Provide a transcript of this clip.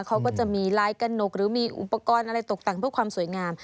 เขาก็จะมีลายกระหนกหรือมีอุปกรณ์อะไรตกแต่งเพื่อความสวยงาม